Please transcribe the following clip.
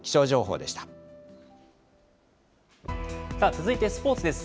続いてスポーツです。